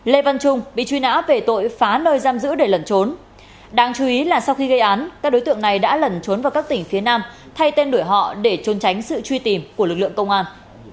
lê văn trung bị truy nã về tội phá nơi giam giữ để lẩn trốn đáng chú ý là sau khi gây án các đối tượng này đã lẩn trốn vào các tỉnh phía nam thay tên đổi họ để trôn tránh sự truy tìm của lực lượng công an